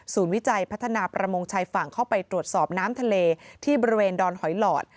วิจัยพัฒนาประมงชายฝั่งเข้าไปตรวจสอบน้ำทะเลที่บริเวณดอนหอยหลอด